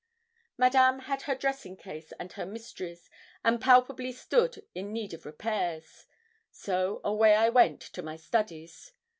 Madame had her dressing case and her mysteries, and palpably stood in need of repairs; so away I went to my studies.